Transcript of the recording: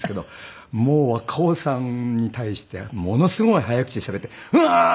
もう若尾さんに対してものすごい早口でしゃべってうわー！